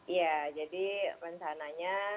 iya jadi rencananya